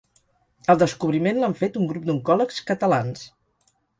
El descobriment l'han fet un grup d'oncòlegs catalans